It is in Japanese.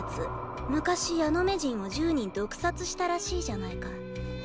昔ヤノメ人を１０人毒殺したらしいじゃないか。